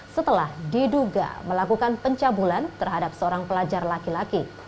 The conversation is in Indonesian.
setelah diduga melakukan pencabulan terhadap seorang pelajar laki laki